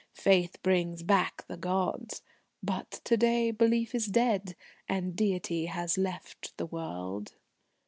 Faith brings back the gods.... But to day belief is dead, and Deity has left the world."